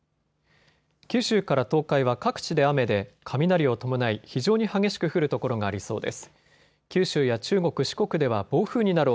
九州から東海は各地で雨で雷を伴い非常に激しく降る所がありそうです。